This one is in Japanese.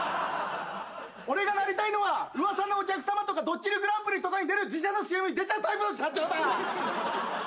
俺がなりたいのは『ウワサのお客さま』とか『ドッキリＧＰ』とかに出る自社のＣＭに出ちゃうタイプの社長だ！